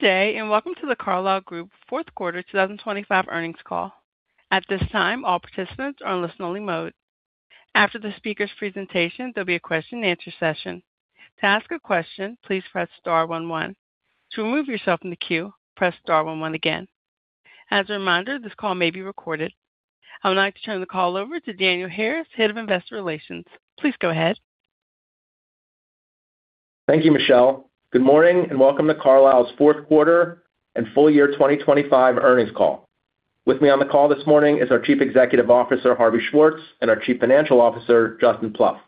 Good day and welcome to The Carlyle Group fourth quarter 2025 earnings call. At this time, all participants are in listen-only mode. After the speaker's presentation, there'll be a question-and-answer session. To ask a question, please press star one one. To remove yourself from the queue, press star one one again. As a reminder, this call may be recorded. I would like to turn the call over to Daniel Harris, Head of Investor Relations. Please go ahead. Thank you, Michelle. Good morning and welcome to Carlyle's fourth quarter and full year 2025 earnings call. With me on the call this morning is our Chief Executive Officer, Harvey Schwartz, and our Chief Financial Officer, Justin Plouffe.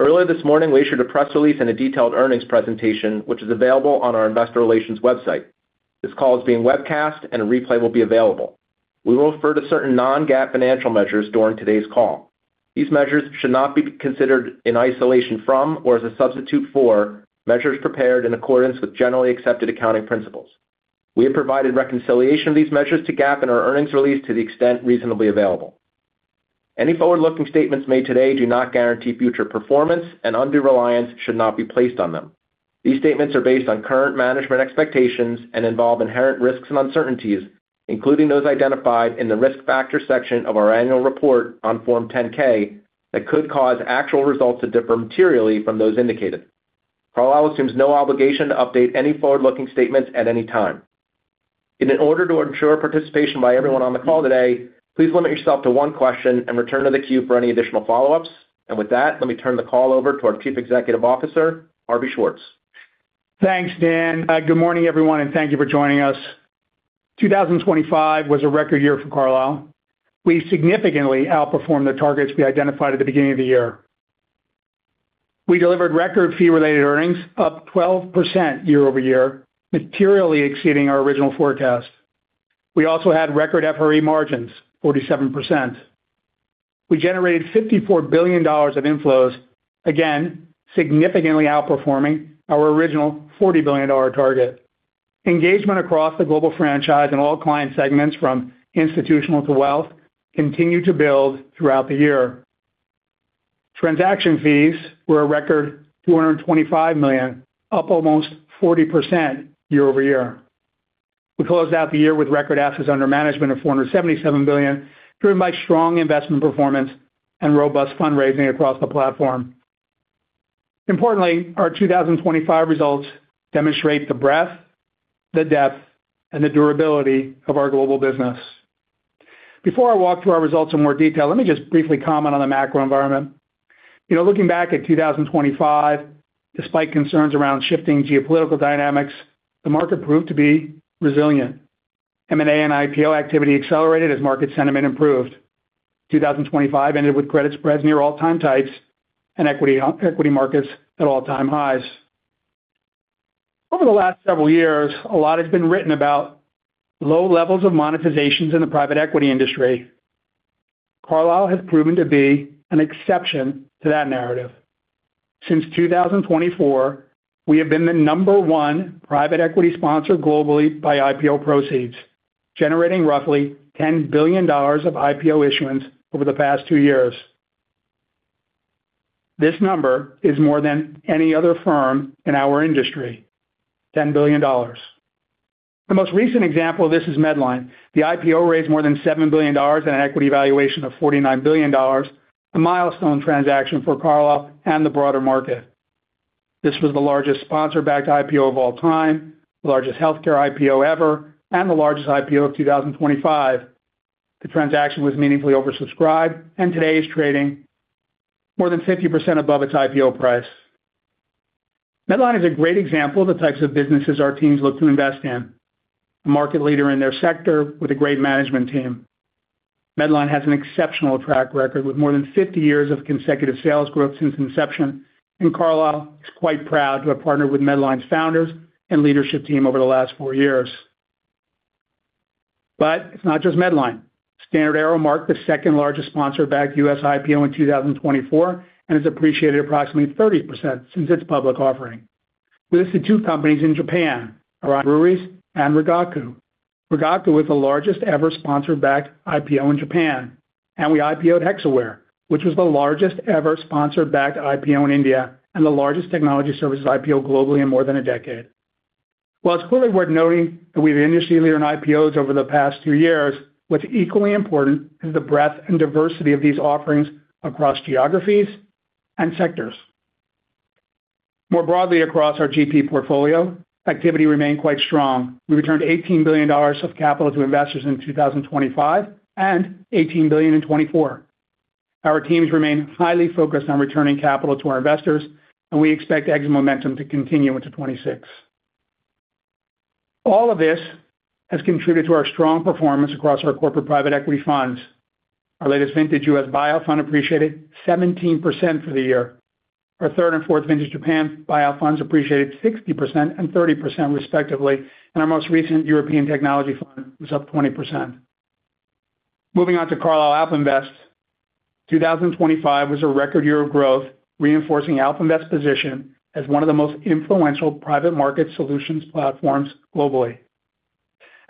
Earlier this morning, we issued a press release and a detailed earnings presentation, which is available on our Investor Relations website. This call is being webcast and a replay will be available. We will refer to certain non-GAAP financial measures during today's call. These measures should not be considered in isolation from or as a substitute for measures prepared in accordance with generally accepted accounting principles. We have provided reconciliation of these measures to GAAP in our earnings release to the extent reasonably available. Any forward-looking statements made today do not guarantee future performance, and undue reliance should not be placed on them. These statements are based on current management expectations and involve inherent risks and uncertainties, including those identified in the risk factor section of our annual report on Form 10-K that could cause actual results to differ materially from those indicated. Carlyle assumes no obligation to update any forward-looking statements at any time. In order to ensure participation by everyone on the call today, please limit yourself to one question and return to the queue for any additional follow-ups. With that, let me turn the call over to our Chief Executive Officer, Harvey Schwartz. Thanks, Dan. Good morning, everyone, and thank you for joining us. 2025 was a record year for Carlyle. We significantly outperformed the targets we identified at the beginning of the year. We delivered record fee-related earnings, up 12% year-over-year, materially exceeding our original forecast. We also had record FRE margins, 47%. We generated $54 billion of inflows, again significantly outperforming our original $40 billion target. Engagement across the global franchise and all client segments, from institutional to wealth, continued to build throughout the year. Transaction fees were a record $225 million, up almost 40% year-over-year. We closed out the year with record assets under management of $477 billion, driven by strong investment performance and robust fundraising across the platform. Importantly, our 2025 results demonstrate the breadth, the depth, and the durability of our global business. Before I walk through our results in more detail, let me just briefly comment on the macro environment. Looking back at 2025, despite concerns around shifting geopolitical dynamics, the market proved to be resilient. M&A and IPO activity accelerated as market sentiment improved. 2025 ended with credit spreads near all-time tights and equity markets at all-time highs. Over the last several years, a lot has been written about low levels of monetizations in the private equity industry. Carlyle has proven to be an exception to that narrative. Since 2024, we have been the number 1 private equity sponsor globally by IPO proceeds, generating roughly $10 billion of IPO issuance over the past two years. This number is more than any other firm in our industry: $10 billion. The most recent example of this is Medline. The IPO raised more than $7 billion and an equity valuation of $49 billion, a milestone transaction for Carlyle and the broader market. This was the largest sponsor-backed IPO of all time, the largest healthcare IPO ever, and the largest IPO of 2025. The transaction was meaningfully oversubscribed, and today is trading more than 50% above its IPO price. Medline is a great example of the types of businesses our teams look to invest in: a market leader in their sector with a great management team. Medline has an exceptional track record with more than 50 years of consecutive sales growth since inception, and Carlyle is quite proud to have partnered with Medline's founders and leadership team over the last four years. But it's not just Medline. StandardAero marked the second largest sponsor-backed U.S. IPO in 2024 and has appreciated approximately 30% since its public offering. We listed two companies in Japan, Orion Breweries and Rigaku. Rigaku was the largest ever sponsor-backed IPO in Japan, and we IPOed Hexaware, which was the largest ever sponsor-backed IPO in India and the largest technology services IPO globally in more than a decade. While it's clearly worth noting that we've been industry-leading IPOs over the past two years, what's equally important is the breadth and diversity of these offerings across geographies and sectors. More broadly, across our GP portfolio, activity remained quite strong. We returned $18 billion of capital to investors in 2025 and $18 billion in 2024. Our teams remain highly focused on returning capital to our investors, and we expect exits momentum to continue into 2026. All of this has contributed to our strong performance across our corporate private equity funds. Our latest vintage U.S. buyout fund appreciated 17% for the year. Our third and fourth vintage Japan buyout funds appreciated 60% and 30%, respectively, and our most recent European technology fund was up 20%. Moving on to Carlyle AlpInvest, 2025 was a record year of growth, reinforcing AlpInvest's position as one of the most influential private market solutions platforms globally.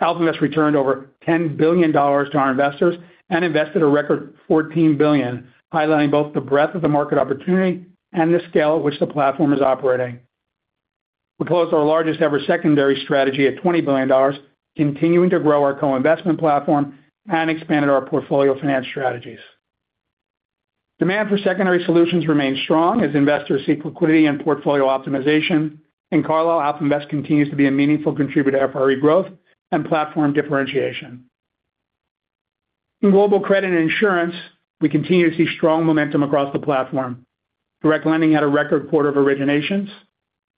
AlpInvest returned over $10 billion to our investors and invested a record $14 billion, highlighting both the breadth of the market opportunity and the scale at which the platform is operating. We closed our largest ever secondary strategy at $20 billion, continuing to grow our co-investment platform and expanded our portfolio finance strategies. Demand for secondary solutions remains strong as investors seek liquidity and portfolio optimization, and Carlyle AlpInvest continues to be a meaningful contributor to FRE growth and platform differentiation. In Global Credit and insurance, we continue to see strong momentum across the platform. Direct lending had a record quarter of originations.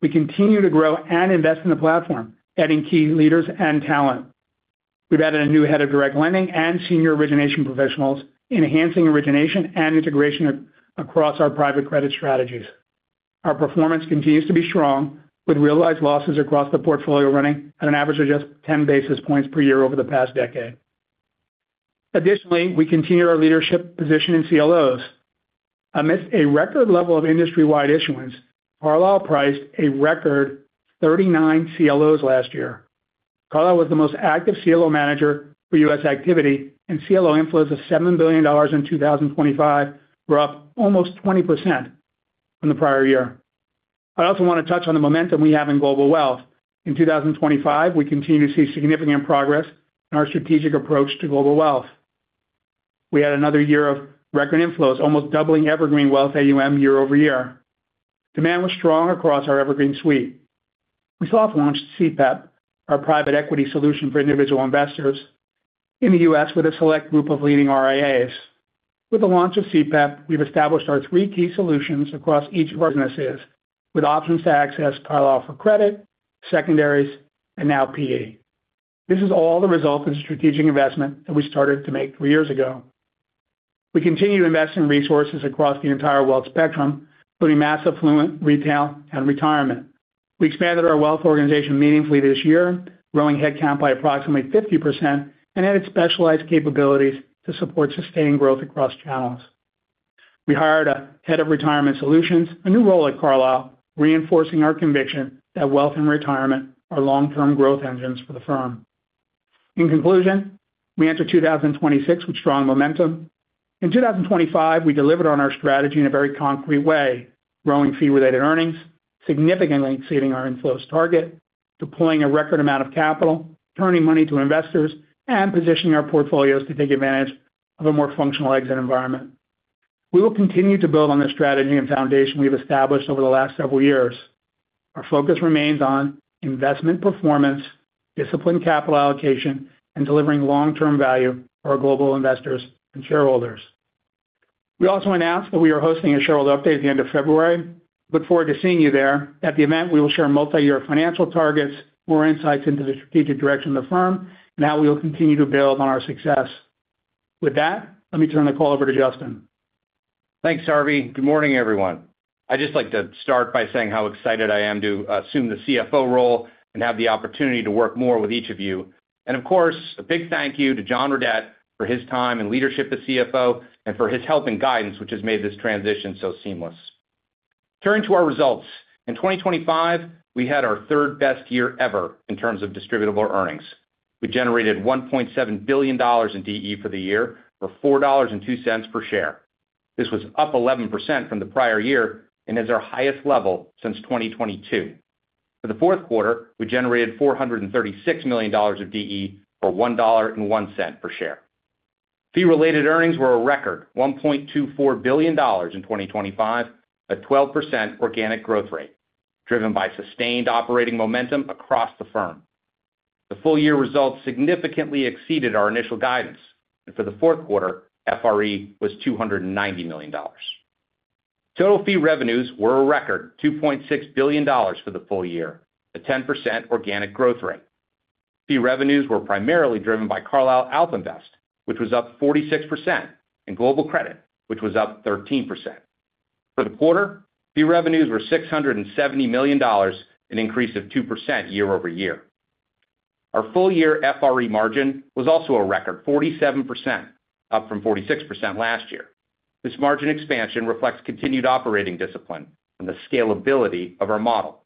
We continue to grow and invest in the platform, adding key leaders and talent. We've added a new head of direct lending and senior origination professionals, enhancing origination and integration across our private credit strategies. Our performance continues to be strong, with realized losses across the portfolio running at an average of just 10 basis points per year over the past decade. Additionally, we continue our leadership position in CLOs. Amidst a record level of industry-wide issuance, Carlyle priced a record 39 CLOs last year. Carlyle was the most active CLO manager for U.S. activity, and CLO inflows of $7 billion in 2025 were up almost 20% from the prior year. I also want to touch on the momentum we have in Global Wealth. In 2025, we continue to see significant progress in our strategic approach to Global Wealth. We had another year of record inflows, almost doubling Evergreen Wealth AUM year-over-year. Demand was strong across our Evergreen suite. We soft-launched CPEP, our private equity solution for individual investors, in the U.S. with a select group of leading RIAs. With the launch of CPEP, we've established our three key solutions across each of our businesses, with options to access Carlyle for credit, secondaries, and now PE. This is all the result of the strategic investment that we started to make three years ago. We continue to invest in resources across the entire wealth spectrum, including mass affluent, retail, and retirement. We expanded our wealth organization meaningfully this year, growing headcount by approximately 50%, and added specialized capabilities to support sustained growth across channels. We hired a head of retirement solutions, a new role at Carlyle, reinforcing our conviction that wealth and retirement are long-term growth engines for the firm. In conclusion, we entered 2026 with strong momentum. In 2025, we delivered on our strategy in a very concrete way, growing fee-related earnings, significantly exceeding our inflows target, deploying a record amount of capital, turning money to investors, and positioning our portfolios to take advantage of a more functional exit environment. We will continue to build on the strategy and foundation we've established over the last several years. Our focus remains on investment performance, disciplined capital allocation, and delivering long-term value for our global investors and shareholders. We also announced that we are hosting a shareholder update at the end of February. Look forward to seeing you there. At the event, we will share multi-year financial targets, more insights into the strategic direction of the firm, and how we will continue to build on our success. With that, let me turn the call over to Justin. Thanks, Harvey. Good morning, everyone. I'd just like to start by saying how excited I am to assume the CFO role and have the opportunity to work more with each of you. And of course, a big thank you to John Redett for his time and leadership as CFO and for his help and guidance, which has made this transition so seamless. Turning to our results, in 2025, we had our third best year ever in terms of distributable earnings. We generated $1.7 billion in DE for the year for $4.02 per share. This was up 11% from the prior year and is our highest level since 2022. For the fourth quarter, we generated $436 million of DE for $1.01 per share. Fee-related earnings were a record, $1.24 billion in 2025, a 12% organic growth rate, driven by sustained operating momentum across the firm. The full-year results significantly exceeded our initial guidance, and for the fourth quarter, FRE was $290 million. Total fee revenues were a record, $2.6 billion for the full year, a 10% organic growth rate. Fee revenues were primarily driven by Carlyle AlpInvest, which was up 46%, and Global Credit, which was up 13%. For the quarter, fee revenues were $670 million, an increase of 2% year-over-year. Our full-year FRE margin was also a record, 47%, up from 46% last year. This margin expansion reflects continued operating discipline and the scalability of our model.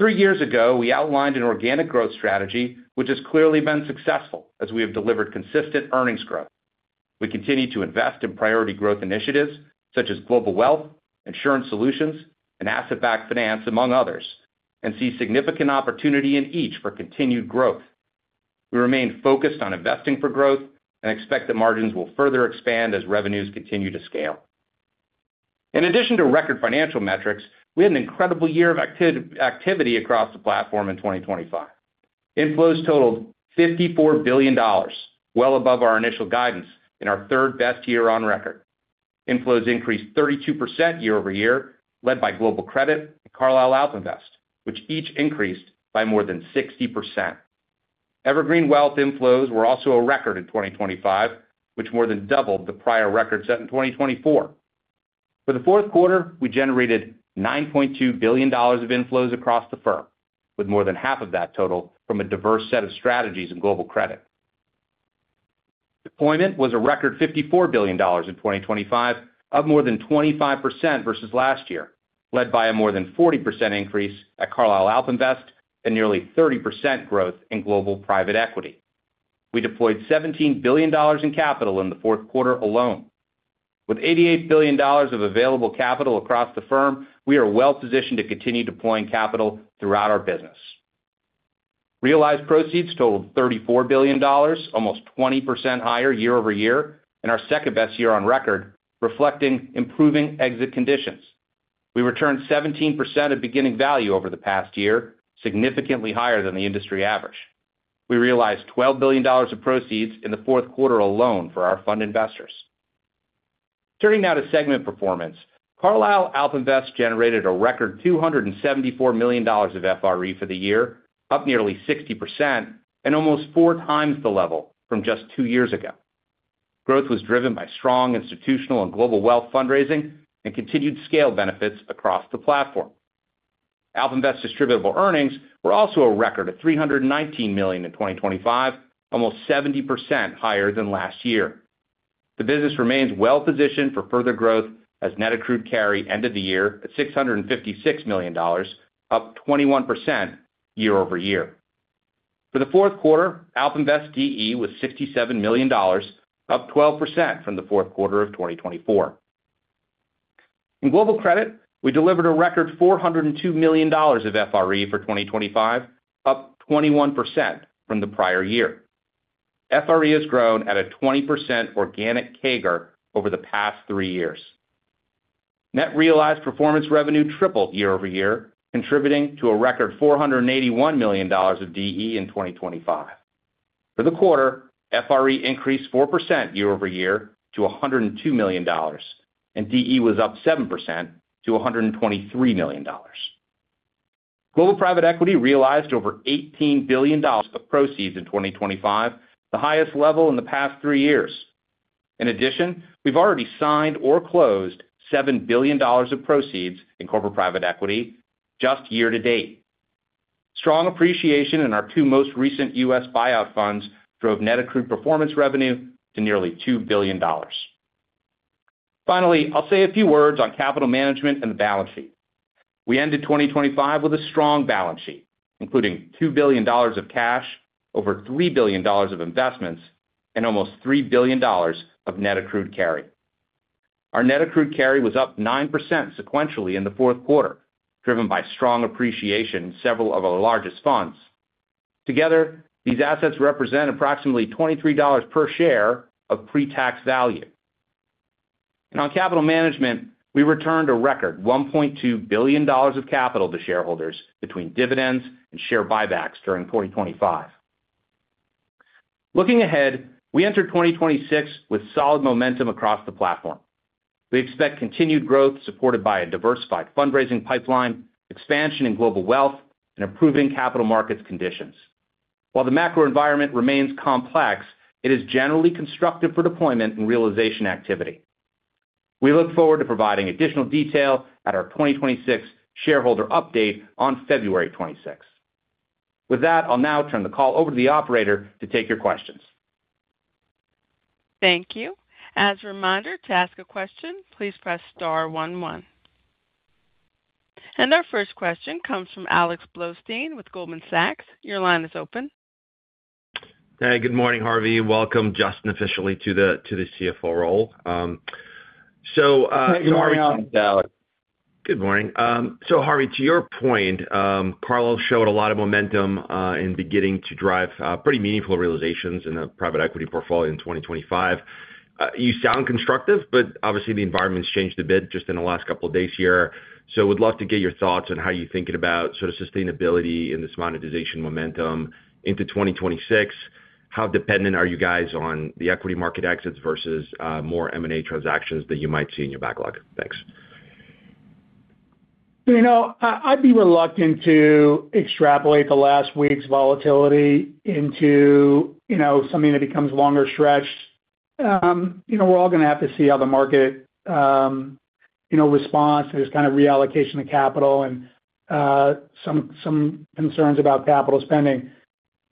Three years ago, we outlined an organic growth strategy, which has clearly been successful as we have delivered consistent earnings growth. We continue to invest in priority growth initiatives such as global wealth, insurance solutions, and asset-backed finance, among others, and see significant opportunity in each for continued growth. We remain focused on investing for growth and expect that margins will further expand as revenues continue to scale. In addition to record financial metrics, we had an incredible year of activity across the platform in 2025. Inflows totaled $54 billion, well above our initial guidance in our third-best year on record. Inflows increased 32% year-over-year, led by Global Credit and Carlyle AlpInvest, which each increased by more than 60%. Evergreen Wealth inflows were also a record in 2025, which more than doubled the prior record set in 2024. For the fourth quarter, we generated $9.2 billion of inflows across the firm, with more than 1/2 of that total from a diverse set of strategies in Global Credit. Deployment was a record, $54 billion in 2025, up more than 25% versus last year, led by a more than 40% increase at Carlyle AlpInvest and nearly 30% growth in Global Private Equity. We deployed $17 billion in capital in the fourth quarter alone. With $88 billion of available capital across the firm, we are well positioned to continue deploying capital throughout our business. Realized proceeds totaled $34 billion, almost 20% higher year-over-year, and our second best year on record, reflecting improving exit conditions. We returned 17% of beginning value over the past year, significantly higher than the industry average. We realized $12 billion of proceeds in the fourth quarter alone for our fund investors. Turning now to segment performance, Carlyle AlpInvest generated a record $274 million of FRE for the year, up nearly 60% and almost 4x the level from just two years ago. Growth was driven by strong institutional and global wealth fundraising and continued scale benefits across the platform. AlpInvest's distributable earnings were also a record $319 million in 2025, almost 70% higher than last year. The business remains well positioned for further growth as net accrued carry end of the year at $656 million, up 21% year-over-year. For the fourth quarter, AlpInvest's DE was $67 million, up 12% from the fourth quarter of 2024. In Global Credit, we delivered a record $402 million of FRE for 2025, up 21% from the prior year. FRE has grown at a 20% organic CAGR over the past three years. Net realized performance revenue tripled year-over-year, contributing to a record $481 million of DE in 2025. For the quarter, FRE increased 4% year-over-year to $102 million, and DE was up 7% to $123 million. Global private equity realized over $18 billion of proceeds in 2025, the highest level in the past three years. In addition, we've already signed or closed $7 billion of proceeds in corporate private equity just year to date. Strong appreciation in our two most recent U.S. buyout funds drove net accrued performance revenue to nearly $2 billion. Finally, I'll say a few words on capital management and the balance sheet. We ended 2025 with a strong balance sheet, including $2 billion of cash, over $3 billion of investments, and almost $3 billion of net accrued carry. Our net accrued carry was up 9% sequentially in the fourth quarter, driven by strong appreciation in several of our largest funds. Together, these assets represent approximately $23 per share of pre-tax value. On capital management, we returned a record $1.2 billion of capital to shareholders between dividends and share buybacks during 2025. Looking ahead, we entered 2026 with solid momentum across the platform. We expect continued growth supported by a diversified fundraising pipeline, expansion in global wealth, and improving capital markets conditions. While the macro environment remains complex, it is generally constructive for deployment and realization activity. We look forward to providing additional detail at our 2026 shareholder update on February 26th. With that, I'll now turn the call over to the operator to take your questions. Thank you. As a reminder, to ask a question, please press star one one. And our first question comes from Alex Blostein with Goldman Sachs. Your line is open. Good morning, Harvey. Welcome, Justin, officially, to the CFO role. So, Harvey. Good morning, Alex. Good morning. So Harvey, to your point, Carlyle showed a lot of momentum in beginning to drive pretty meaningful realizations in the private equity portfolio in 2025. You sound constructive, but obviously, the environment's changed a bit just in the last couple of days here. So would love to get your thoughts on how you're thinking about sort of sustainability in this monetization momentum into 2026. How dependent are you guys on the equity market exits versus more M&A transactions that you might see in your backlog? Thanks. I'd be reluctant to extrapolate the last week's volatility into something that becomes longer stretched. We're all going to have to see how the market responds to this kind of reallocation of capital and some concerns about capital spending.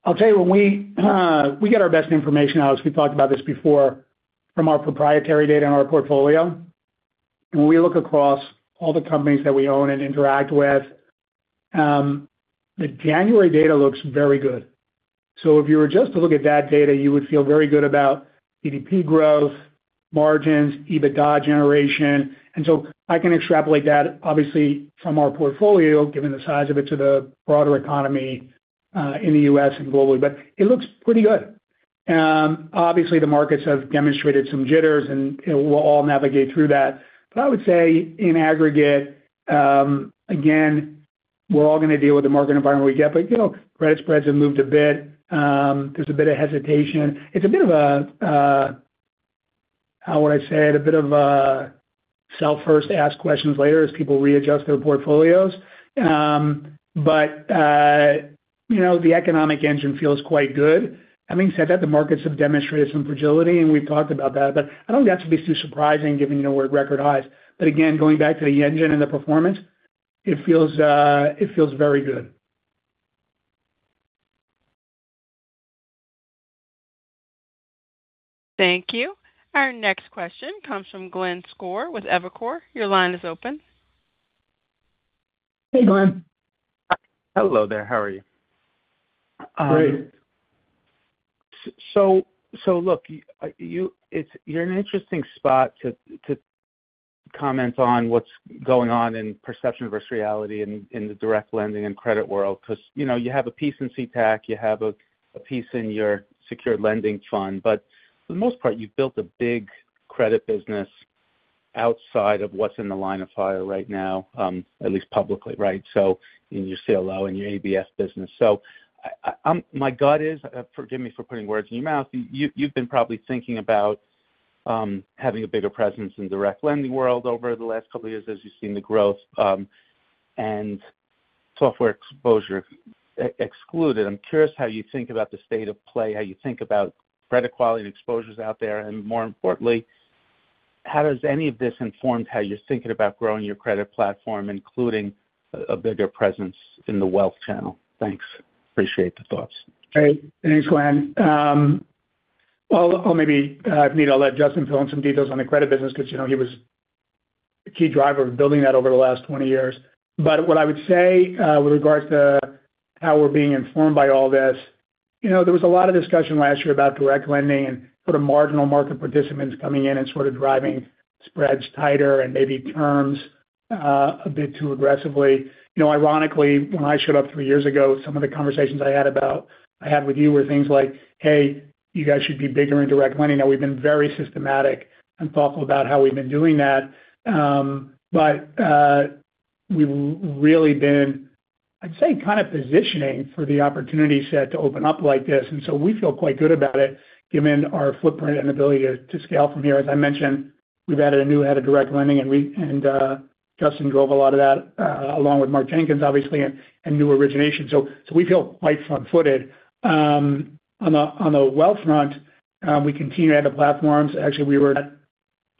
I'll tell you, when we got our best information out, as we've talked about this before, from our proprietary data in our portfolio, and when we look across all the companies that we own and interact with, the January data looks very good. So if you were just to look at that data, you would feel very good about GDP growth, margins, EBITDA generation. And so I can extrapolate that, obviously, from our portfolio, given the size of it, to the broader economy in the U.S. and globally. But it looks pretty good. Obviously, the markets have demonstrated some jitters, and we'll all navigate through that. But I would say, in aggregate, again, we're all going to deal with the market environment we get. But credit spreads have moved a bit. There's a bit of hesitation. It's a bit of a how would I say it? A bit of a self-first, ask questions later as people readjust their portfolios. But the economic engine feels quite good. Having said that, the markets have demonstrated some fragility, and we've talked about that. But I don't think that should be too surprising, given we're at record highs. But again, going back to the engine and the performance, it feels very good. Thank you. Our next question comes from Glenn Schorr with Evercore. Your line is open. Hey, Glenn. Hello there. How are you? Great. So look, you're in an interesting spot to comment on what's going on in perception versus reality in the direct lending and credit world because you have a piece in CTAC. You have a piece in your secured lending fund. But for the most part, you've built a big credit business outside of what's in the line of fire right now, at least publicly, right, in your CLO and your ABS business. So my gut is, forgive me for putting words in your mouth, you've been probably thinking about having a bigger presence in the direct lending world over the last couple of years as you've seen the growth and software exposure excluded. I'm curious how you think about the state of play, how you think about credit quality and exposures out there. And more importantly, how does any of this inform how you're thinking about growing your credit platform, including a bigger presence in the wealth channel? Thanks. Appreciate the thoughts. Great. Thanks, Glenn. Well, maybe if needed, I'll let Justin fill in some details on the credit business because he was a key driver of building that over the last 20 years. But what I would say with regards to how we're being informed by all this, there was a lot of discussion last year about direct lending and sort of marginal market participants coming in and sort of driving spreads tighter and maybe terms a bit too aggressively. Ironically, when I showed up three years ago, some of the conversations I had with you were things like, "Hey, you guys should be bigger in direct lending." Now, we've been very systematic and thoughtful about how we've been doing that. But we've really been, I'd say, kind of positioning for the opportunity set to open up like this. And so we feel quite good about it given our footprint and ability to scale from here. As I mentioned, we've added a new head of direct lending, and Justin drove a lot of that along with Mark Jenkins, obviously, and new origination. So we feel quite front-footed. On the wealth front, we continue to add to platforms. Actually, we were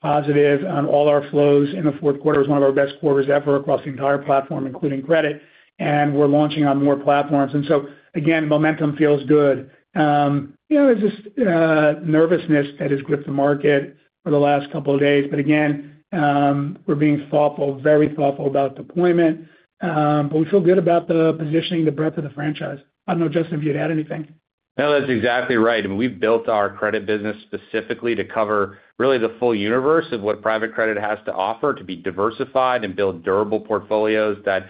positive on all our flows in the fourth quarter. It was one of our best quarters ever across the entire platform, including credit. And we're launching on more platforms. And so again, momentum feels good. There's this nervousness that has gripped the market for the last couple of days. But again, we're being thoughtful, very thoughtful about deployment. But we feel good about the positioning, the breadth of the franchise. I don't know, Justin, if you'd add anything. No, that's exactly right. I mean, we've built our credit business specifically to cover really the full universe of what private credit has to offer, to be diversified and build durable portfolios that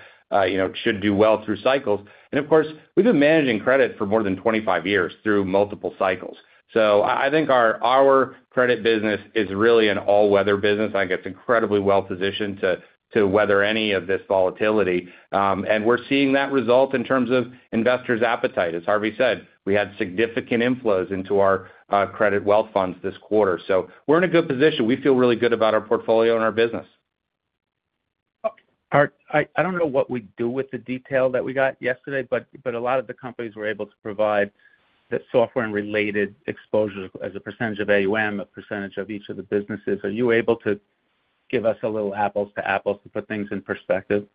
should do well through cycles. And of course, we've been managing credit for more than 25 years through multiple cycles. So I think our credit business is really an all-weather business. I think it's incredibly well positioned to weather any of this volatility. And we're seeing that result in terms of investors' appetite. As Harvey said, we had significant inflows into our credit wealth funds this quarter. So we're in a good position. We feel really good about our portfolio and our business. I don't know what we'd do with the detail that we got yesterday, but a lot of the companies were able to provide the software-related exposures as a percentage of AUM, a percentage of each of the businesses. Are you able to give us a little apples to apples to put things in perspective?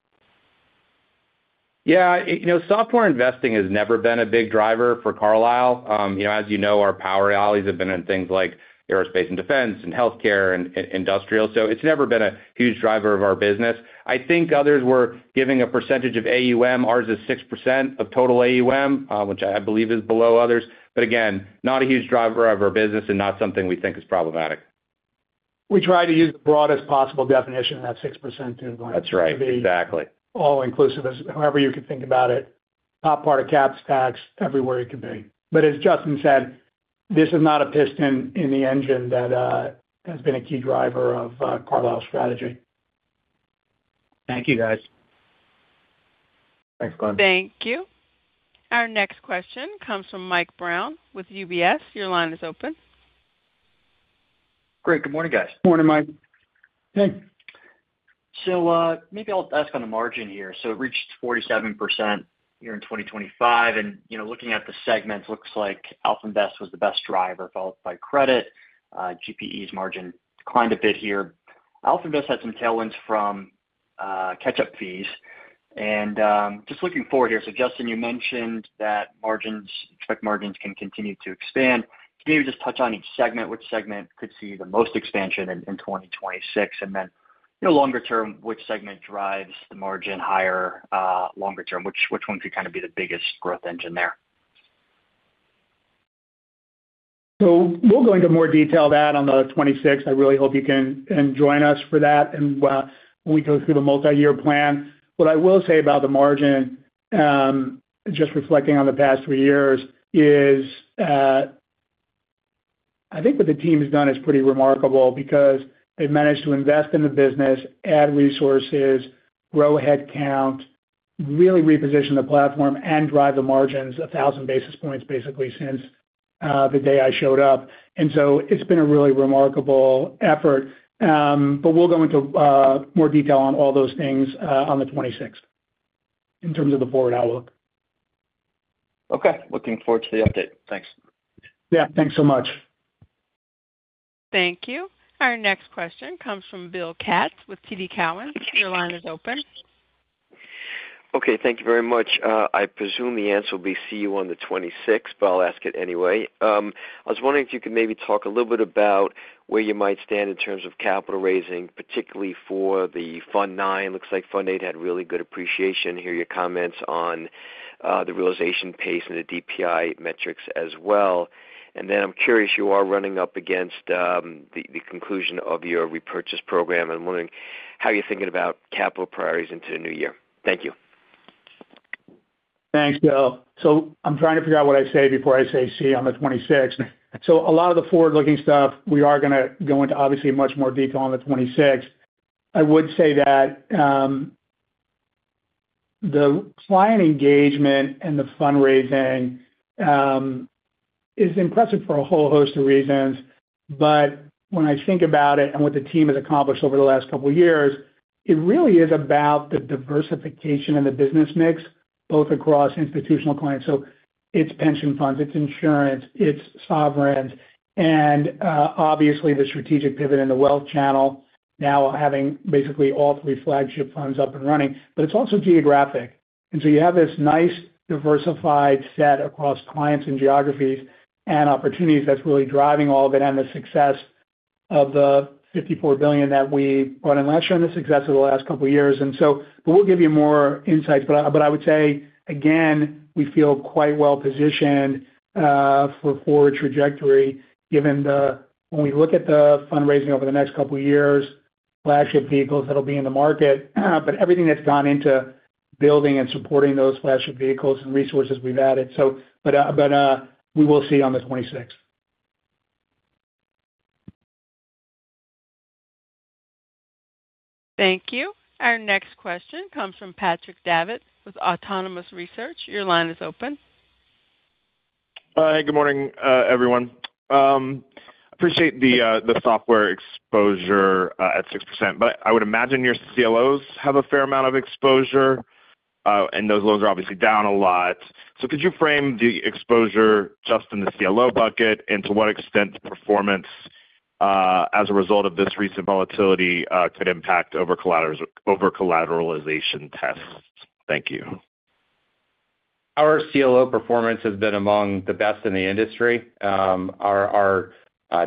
Yeah. Software investing has never been a big driver for Carlyle. As you know, our power alleys have been in things like aerospace and defense and healthcare and industrial. So it's never been a huge driver of our business. I think others were giving a percentage of AUM. Ours is 6% of total AUM, which I believe is below others. But again, not a huge driver of our business and not something we think is problematic. We try to use the broadest possible definition of that 6% too, Glenn. That's right. Exactly. All-inclusive, however you can think about it, top part of CapEx tax everywhere it could be. But as Justin said, this is not a piston in the engine that has been a key driver of Carlyle's strategy. Thank you, guys. Thanks, Glenn. Thank you. Our next question comes from Mike Brown with UBS. Your line is open. Great. Good morning, guys. Good morning, Mike. Hey. So maybe I'll ask on the margin here. So it reached 47% here in 2025. And looking at the segments, it looks like AlpInvest was the best driver, followed by credit. GPE's margin declined a bit here. AlpInvest had some tailwinds from catch-up fees. And just looking forward here, so Justin, you mentioned that expect margins can continue to expand. Can you maybe just touch on each segment, which segment could see the most expansion in 2026, and then longer-term, which segment drives the margin higher longer-term? Which one could kind of be the biggest growth engine there? So we'll go into more detail of that on the 2026. I really hope you can join us for that when we go through the multi-year plan. What I will say about the margin, just reflecting on the past three years, is I think what the team has done is pretty remarkable because they've managed to invest in the business, add resources, grow headcount, really reposition the platform, and drive the margins 1,000 basis points, basically, since the day I showed up. And so it's been a really remarkable effort. But we'll go into more detail on all those things on the 2026 in terms of the forward outlook. Okay. Looking forward to the update. Thanks. Yeah. Thanks so much. Thank you. Our next question comes from Bill Katz with TD Cowen. Your line is open. Okay. Thank you very much. I presume the answer will be see you on the 2026, but I'll ask it anyway. I was wondering if you could maybe talk a little bit about where you might stand in terms of capital raising, particularly for the Fund 9. It looks like Fund 8 had really good appreciation. Hear your comments on the realization pace and the DPI metrics as well. And then I'm curious, you are running up against the conclusion of your repurchase program. I'm wondering how you're thinking about capital priorities into the new year. Thank you. Thanks, Bill. So I'm trying to figure out what I say before I say see on the 2026. So a lot of the forward-looking stuff, we are going to go into, obviously, much more detail on the 2026. I would say that the client engagement and the fundraising is impressive for a whole host of reasons. But when I think about it and what the team has accomplished over the last couple of years, it really is about the diversification in the business mix, both across institutional clients. So it's pension funds. It's insurance. It's sovereigns. And obviously, the strategic pivot in the wealth channel, now having basically all three flagship funds up and running. But it's also geographic. So you have this nice, diversified set across clients and geographies and opportunities that's really driving all of it and the success of the $54 billion that we brought in last year and the success of the last couple of years. We'll give you more insights. I would say, again, we feel quite well positioned for forward trajectory given when we look at the fundraising over the next couple of years, flagship vehicles that'll be in the market, but everything that's gone into building and supporting those flagship vehicles and resources we've added. We will see on the 2026. Thank you. Our next question comes from Patrick Davitt with Autonomous Research. Your line is open. Hey. Good morning, everyone. I appreciate the software exposure at 6%, but I would imagine your CLOs have a fair amount of exposure, and those loans are obviously down a lot. So could you frame the exposure just in the CLO bucket and to what extent performance as a result of this recent volatility could impact over-collateralization tests? Thank you. Our CLO performance has been among the best in the industry. Our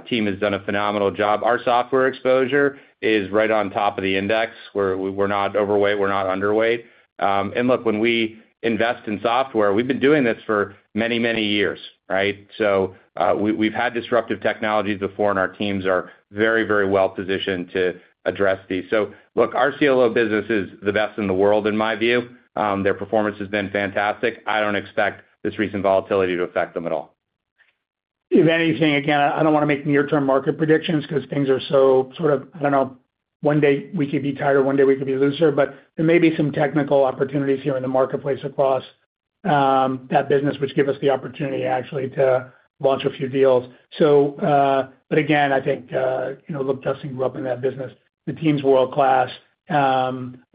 team has done a phenomenal job. Our software exposure is right on top of the index. We're not overweight. We're not underweight. And look, when we invest in software, we've been doing this for many, many years, right? So we've had disruptive technologies before, and our teams are very, very well positioned to address these. So look, our CLO business is the best in the world, in my view. Their performance has been fantastic. I don't expect this recent volatility to affect them at all. If anything, again, I don't want to make near-term market predictions because things are so sort of I don't know. One day, we could be tighter. One day, we could be looser. But there may be some technical opportunities here in the marketplace across that business, which give us the opportunity actually to launch a few deals. But again, I think look, Justin grew up in that business. The team's world-class. But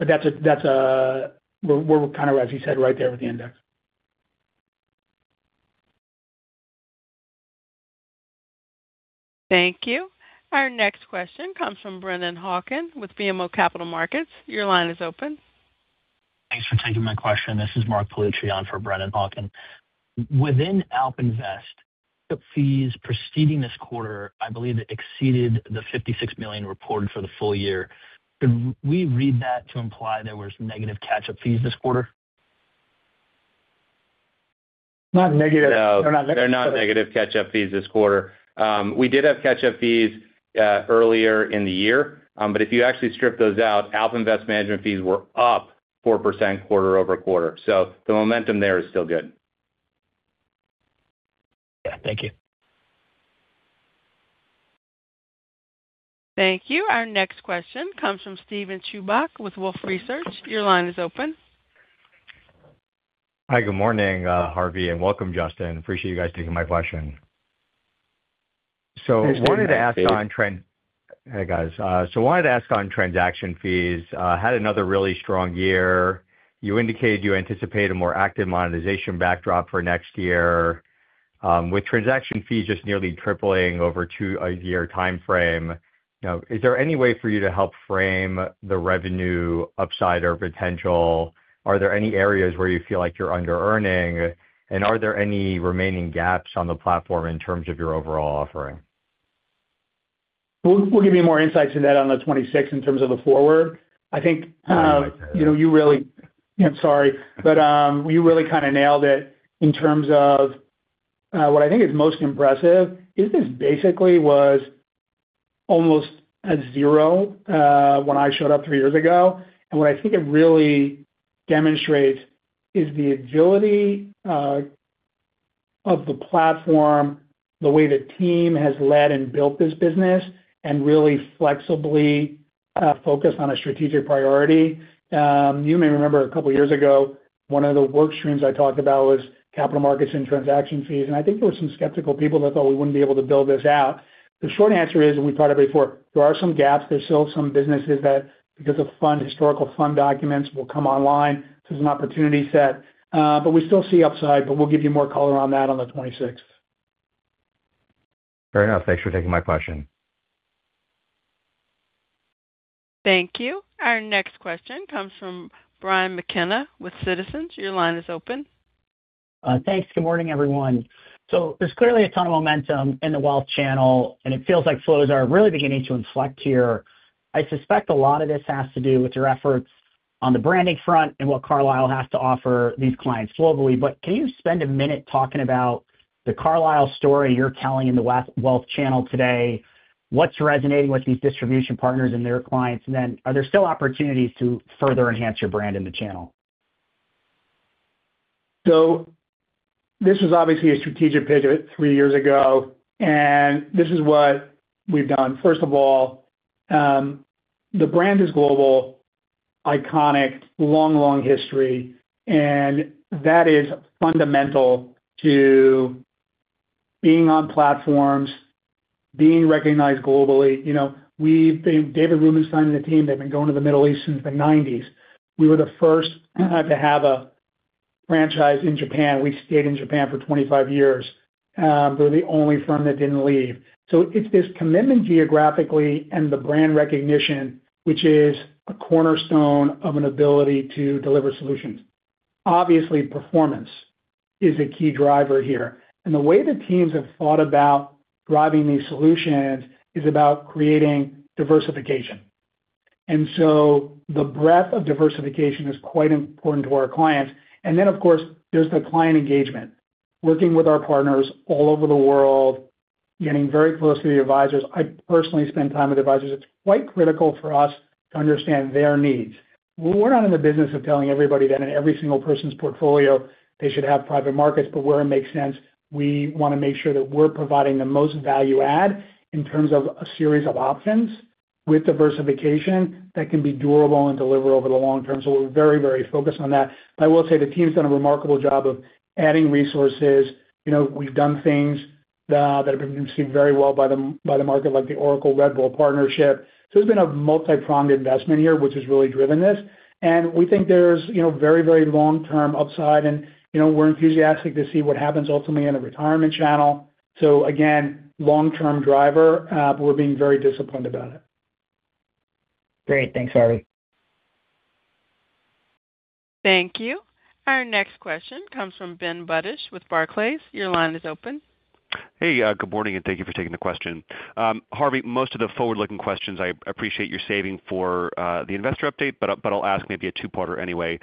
we're kind of, as you said, right there with the index. Thank you. Our next question comes from Brendan Hawken with BMO Capital Markets. Your line is open. Thanks for taking my question. This is Mark Paolini for Brendan Hawken. Within AlpInvest, catch-up fees preceding this quarter, I believe, exceeded the $56 million reported for the full year. Could we read that to imply there were negative catch-up fees this quarter? Not negative. They're not negative. No. They're not negative catch-up fees this quarter. We did have catch-up fees earlier in the year. But if you actually strip those out, AlpInvest management fees were up 4% quarter-over-quarter. So the momentum there is still good. Yeah. Thank you. Thank you. Our next question comes from Steven Chubak with Wolfe Research. Your line is open. Hi. Good morning, Harvey. And welcome, Justin. Appreciate you guys taking my question. I wanted to ask on. Hey, David. Hey, guys. So I wanted to ask on transaction fees. Had another really strong year. You indicated you anticipate a more active monetization backdrop for next year with transaction fees just nearly tripling over a year time frame. Is there any way for you to help frame the revenue upside or potential? Are there any areas where you feel like you're under-earning? And are there any remaining gaps on the platform in terms of your overall offering? We'll give you more insights into that on the 2026 in terms of the forward. I think you really. I like that. I'm sorry. But you really kind of nailed it in terms of what I think is most impressive is this basically was almost at zero when I showed up three years ago. And what I think it really demonstrates is the agility of the platform, the way the team has led and built this business, and really flexibly focused on a strategic priority. You may remember a couple of years ago, one of the workstreams I talked about was capital markets and transaction fees. And I think there were some skeptical people that thought we wouldn't be able to build this out. The short answer is, and we've talked about it before, there are some gaps. There's still some businesses that, because of historical fund documents, will come online. So it's an opportunity set. But we still see upside. But we'll give you more color on that on the 2026. Fair enough. Thanks for taking my question. Thank you. Our next question comes from Brian McKenna with Citizens. Your line is open. Thanks. Good morning, everyone. So there's clearly a ton of momentum in the wealth channel, and it feels like flows are really beginning to inflect here. I suspect a lot of this has to do with your efforts on the branding front and what Carlyle has to offer these clients globally. But can you spend a minute talking about the Carlyle story you're telling in the wealth channel today? What's resonating with these distribution partners and their clients? And then are there still opportunities to further enhance your brand in the channel? So this was obviously a strategic pivot three years ago. This is what we've done. First of all, the brand is global, iconic, long, long history. That is fundamental to being on platforms, being recognized globally. David Rubenstein and the team, they've been going to the Middle East since the 1990s. We were the first to have a franchise in Japan. We stayed in Japan for 25 years. We're the only firm that didn't leave. So it's this commitment geographically and the brand recognition, which is a cornerstone of an ability to deliver solutions. Obviously, performance is a key driver here. The way the teams have thought about driving these solutions is about creating diversification. So the breadth of diversification is quite important to our clients. And then, of course, there's the client engagement, working with our partners all over the world, getting very close to the advisors. I personally spend time with advisors. It's quite critical for us to understand their needs. We're not in the business of telling everybody that in every single person's portfolio, they should have private markets. But where it makes sense, we want to make sure that we're providing the most value-add in terms of a series of options with diversification that can be durable and deliver over the long term. So we're very, very focused on that. But I will say the team's done a remarkable job of adding resources. We've done things that have been received very well by the market, like the Oracle Red Bull partnership. So there's been a multi-pronged investment here, which has really driven this. And we think there's very, very long-term upside. And we're enthusiastic to see what happens ultimately in the retirement channel. So again, long-term driver, but we're being very disciplined about it. Great. Thanks, Harvey. Thank you. Our next question comes from Ben Budish with Barclays. Your line is open. Hey. Good morning, and thank you for taking the question. Harvey, most of the forward-looking questions, I appreciate your saving for the investor update, but I'll ask maybe a two-parter anyway.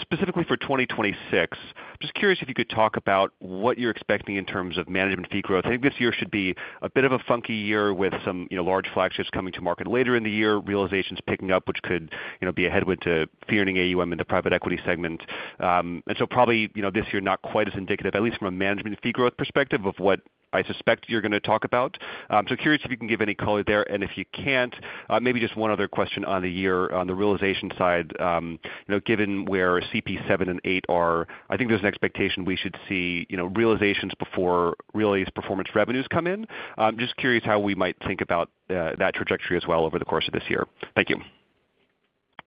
Specifically for 2026, I'm just curious if you could talk about what you're expecting in terms of management fee growth. I think this year should be a bit of a funky year with some large flagships coming to market later in the year, realizations picking up, which could be a headwind to fee-earning AUM in the private equity segment. And so probably this year, not quite as indicative, at least from a management fee growth perspective of what I suspect you're going to talk about. So curious if you can give any color there. And if you can't, maybe just one other question on the realization side. Given where CP7 and 8 are, I think there's an expectation we should see realizations before really performance revenues come in. Just curious how we might think about that trajectory as well over the course of this year? Thank you.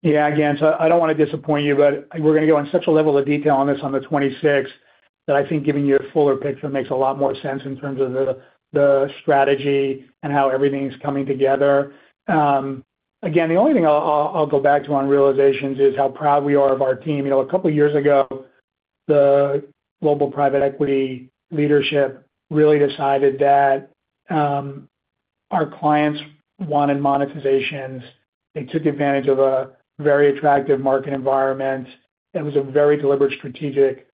Yeah. Again, so I don't want to disappoint you, but we're going to go in such a level of detail on this on the 2026 that I think giving you a fuller picture makes a lot more sense in terms of the strategy and how everything's coming together. Again, the only thing I'll go back to on realizations is how proud we are of our team. A couple of years ago, the global private equity leadership really decided that our clients wanted monetizations. They took advantage of a very attractive market environment. It was a very deliberate strategic decision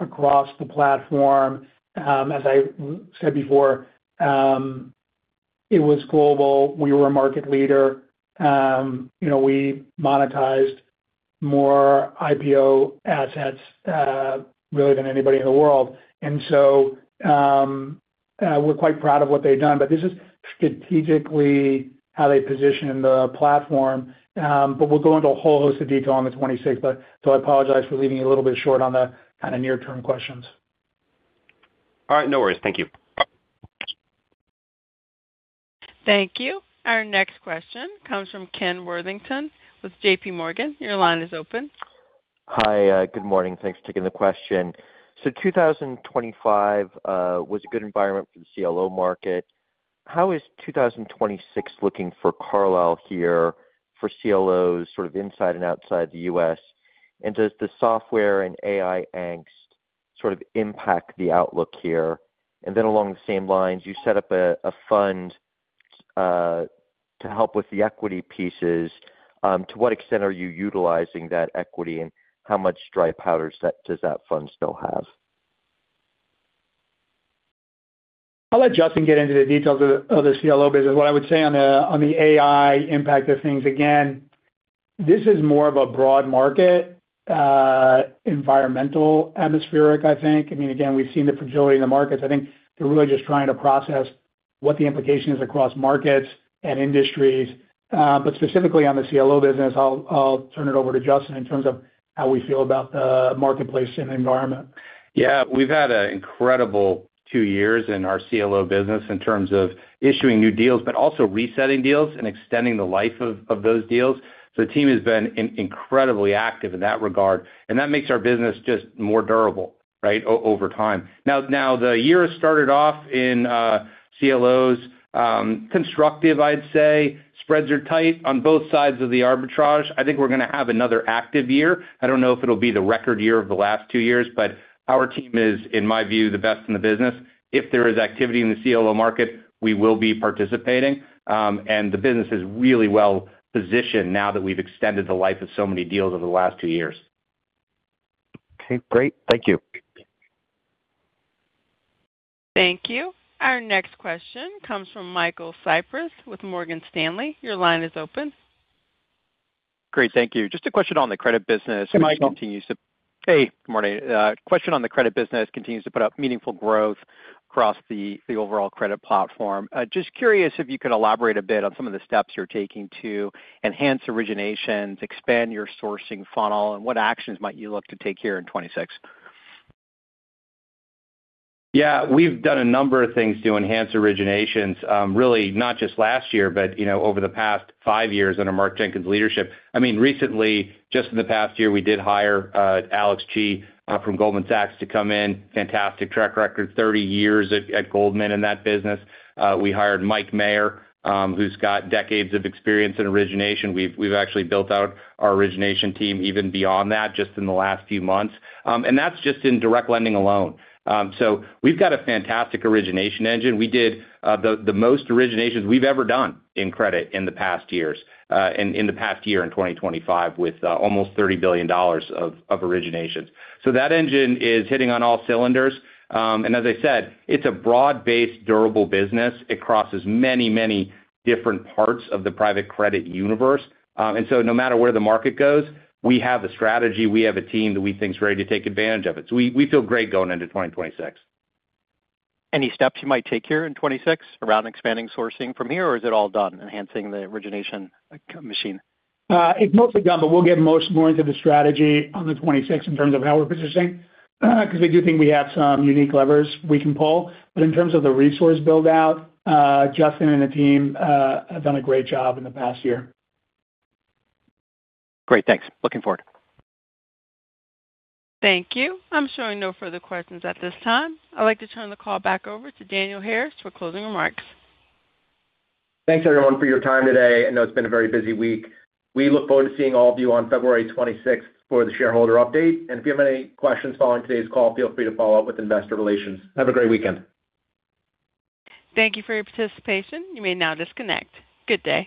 across the platform. As I said before, it was global. We were a market leader. We monetized more IPO assets really than anybody in the world. And so we're quite proud of what they've done. But this is strategically how they position the platform. But we'll go into a whole host of detail on the 2026. So I apologize for leaving you a little bit short on the kind of near-term questions. All right. No worries. Thank you. Thank you. Our next question comes from Ken Worthington with JP Morgan. Your line is open. Hi. Good morning. Thanks for taking the question. So 2025 was a good environment for the CLO market. How is 2026 looking for Carlyle here for CLOs sort of inside and outside the U.S.? And does the software and AI angst sort of impact the outlook here? And then along the same lines, you set up a fund to help with the equity pieces. To what extent are you utilizing that equity, and how much dry powder does that fund still have? I'll let Justin get into the details of the CLO business. What I would say on the AI impact of things, again, this is more of a broad market, environmental, atmospheric, I think. I mean, again, we've seen the fragility in the markets. I think they're really just trying to process what the implication is across markets and industries. But specifically on the CLO business, I'll turn it over to Justin in terms of how we feel about the marketplace and environment. Yeah. We've had an incredible two years in our CLO business in terms of issuing new deals but also resetting deals and extending the life of those deals. So the team has been incredibly active in that regard. And that makes our business just more durable, right, over time. Now, the year has started off in CLOs constructive, I'd say. Spreads are tight on both sides of the arbitrage. I think we're going to have another active year. I don't know if it'll be the record year of the last two years, but our team is, in my view, the best in the business. If there is activity in the CLO market, we will be participating. And the business is really well positioned now that we've extended the life of so many deals over the last two years. Okay. Great. Thank you. Thank you. Our next question comes from Michael Cyprys with Morgan Stanley. Your line is open. Great. Thank you. Just a question on the credit business. Hey, Michael. Hey. Good morning. Question on the credit business continues to put up meaningful growth across the overall credit platform. Just curious if you could elaborate a bit on some of the steps you're taking to enhance originations, expand your sourcing funnel, and what actions might you look to take here in 2026? Yeah. We've done a number of things to enhance originations, really not just last year but over the past five years under Mark Jenkins' leadership. I mean, recently, just in the past year, we did hire Alex Chi from Goldman Sachs to come in. Fantastic track record, 30 years at Goldman in that business. We hired Mike Mayer, who's got decades of experience in origination. We've actually built out our origination team even beyond that just in the last few months. And that's just in direct lending alone. So we've got a fantastic origination engine. We did the most originations we've ever done in credit in the past years in the past year in 2025 with almost $30 billion of originations. So that engine is hitting on all cylinders. And as I said, it's a broad-based, durable business. It crosses many, many different parts of the private credit universe. And so no matter where the market goes, we have a strategy. We have a team that we think's ready to take advantage of it. So we feel great going into 2026. Any steps you might take here in 2026 around expanding sourcing from here, or is it all done, enhancing the origination machine? It's mostly done, but we'll get more into the strategy on the 2026 in terms of how we're positioning because we do think we have some unique levers we can pull. But in terms of the resource buildout, Justin and the team have done a great job in the past year. Great. Thanks. Looking forward. Thank you. I'm showing no further questions at this time. I'd like to turn the call back over to Daniel Harris for closing remarks. Thanks, everyone, for your time today. I know it's been a very busy week. We look forward to seeing all of you on February 26th for the shareholder update. And if you have any questions following today's call, feel free to follow up with investor relations. Have a great weekend. Thank you for your participation. You may now disconnect. Good day.